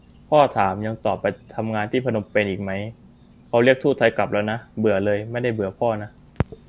พ่อถาม ยังต้องไปทำงานที่พนมเปญอีกมั๊ย ? เค้าเรียกทูตไทยกลับแล้วนะ - เบื่อเลย ไม่ได้เบื่อพ่อนะ